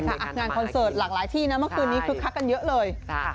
งานคอนเสิร์ตหลากหลายที่นะเมื่อคืนนี้คึกคักกันเยอะเลย